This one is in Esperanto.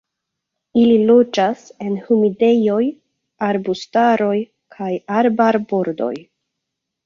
Ili loĝas en humidejoj, arbustaroj kaj arbarbordoj.